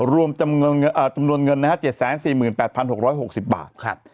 รวมจำนวนเงิน๗๔๘๖๖๐บาท